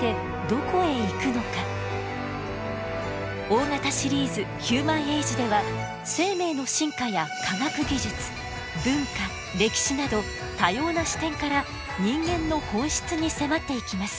大型シリーズ「ヒューマン・エイジ」では生命の進化や科学技術文化歴史など多様な視点から人間の本質に迫っていきます。